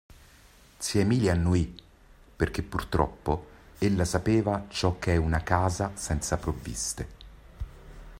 Zia Emilia annuì, perché purtroppo ella sapeva ciò che è una casa senza provviste.